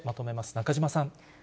中島さん。